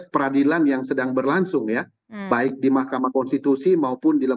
baik bagi bangsa ini kita oke